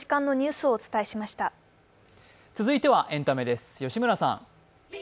続いてはエンタメです吉村さん。